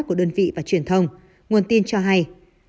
của đơn vị và truyền thông nguồn tin cho hay